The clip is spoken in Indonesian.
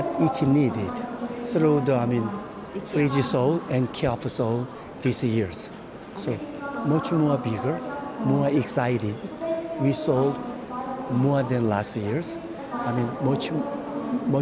maksud saya banyak lebih banyak klien dan orang beruntung untuk menangani pameran ini